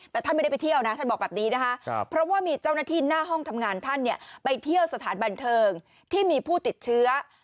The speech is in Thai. แต่ท่านไม่ได้ไปเที่ยวนะท่านบอกแบบนี้นะคะเพราะว่ามีเจ้าหน้าที่หน้าห้องทำงานท่านเนี่ยไปเที่ยวสถานบันเทิงที่มีผู้ติดเชื้อ